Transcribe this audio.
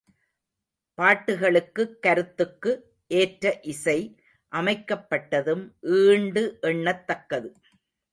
பாட்டுகளுக்குக் கருத்துக்கு ஏற்ற இசை அமைக்கப்பட்டதும் ஈண்டு எண்ணத்தக்கது.